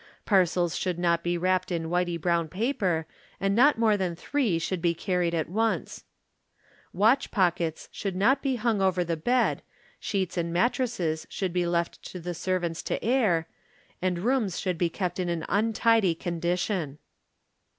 Parcels should not be wrapped in whitey brown paper and not more than three should be carried at once. Watch Pockets should not be hung over the bed, sheets and mattresses should be left to the servants to air, and rooms should be kept in an untidy condition.